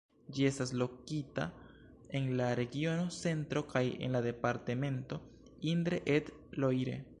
Ĝi estas lokita en la regiono Centro kaj en la departemento Indre-et-Loire.